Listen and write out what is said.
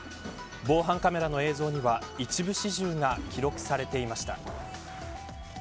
防犯カメラの映像には一部始終が記録されていました。